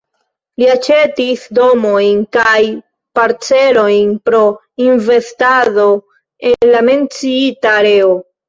Li aĉetis domojn kaj parcelojn pro investado en la menciita areo.